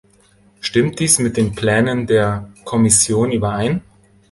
Stimmt dies mit den Plänen der Kommission überein?